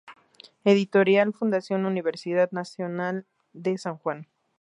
Editorial Fundación Universidad Nacional de San Juan.